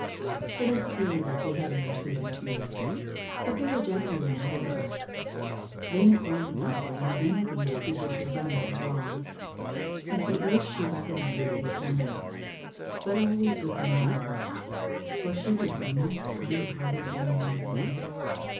It is true that they had nurses and tutors, but they were generally invisible. They informed Bonnebonne of anything their pupils had done that was wrong, and for this she reprimanded the offender, but always with mildness, for she was the most kind hearted woman in the world.